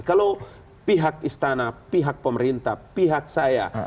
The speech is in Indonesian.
kalau pihak istana pihak pemerintah pihak saya